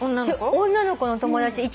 女の子の友達。